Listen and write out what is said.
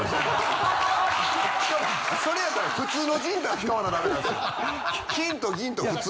それやったら普通の仁丹使わなダメなんですよ。